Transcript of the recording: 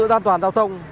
trật tự an toàn giao thông